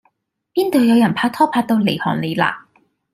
邊道有人拍拖拍到離行離迾